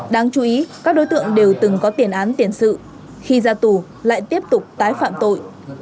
đáng chú ý các đối tượng đều từng có tiền án tiền sự khi ra tù lại tiếp tục tái phạm tội